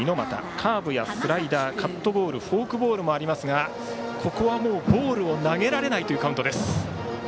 カーブやスライダーカットボールフォークボールもありますがここはもうボールを投げられないカウントです。